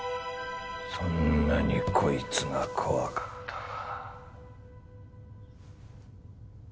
そんなにこいつが怖かったか